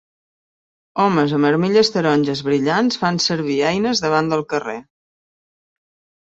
Homes amb armilles taronges brillants fan servir eines davant del carrer.